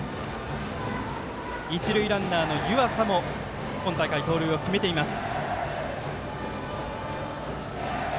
一塁ランナーの湯淺も今大会盗塁を決めています。